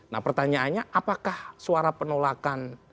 nah pertanyaannya apakah suara penolakan